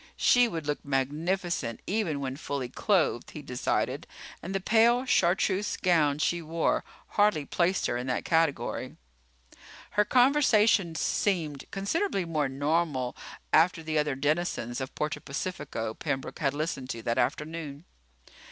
She would look magnificent even when fully clothed, he decided, and the pale chartreuse gown she wore hardly placed her in that category. Her conversation seemed considerably more normal after the other denizens of Puerto Pacifico Pembroke had listened to that afternoon.